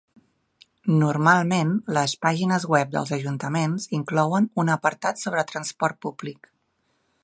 Normalment les pàgines web dels ajuntaments inclouen un apartat sobre transport públic.